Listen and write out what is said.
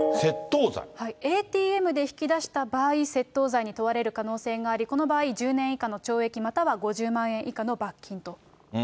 ＡＴＭで引き出した場合、窃盗罪に問われる可能性があり、この場合１０年以下の懲役、または５０万円以下の罰金と。